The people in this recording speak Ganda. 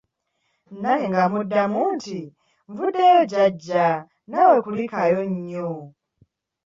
nange nga mmuddamu nti nvuddeyo Jjajja naawe kulikayo nnyo.